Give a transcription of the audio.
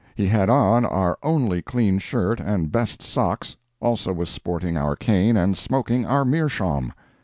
He had on our only clean shirt and best socks, also was sporting our cane and smoking our meerschaum.